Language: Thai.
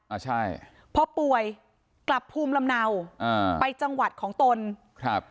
อ่าใช่พอป่วยกลับภูมิลำเนาอ่าไปจังหวัดของตนครับ